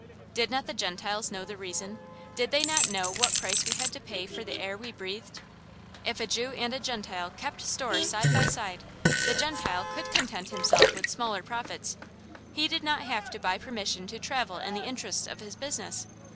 Did not the Gentiles know the reason? Did they not know what price we had to pay for the air we breathed? If a Jew and a Gentile kept store side by side, the Gentile could content himself with smaller profits. He did not have to buy permission to travel in the interests of his business.